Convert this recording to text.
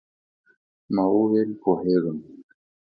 ما وویل، پوهېږم.